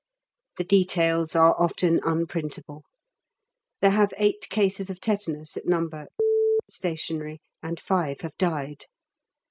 The details are often unprintable. They have eight cases of tetanus at No. Stationary, and five have died.